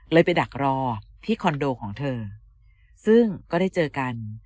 ไปดักรอที่คอนโดของเธอซึ่งก็ได้เจอกัน